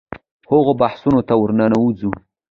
هغو بحثونو ته ورننوځو.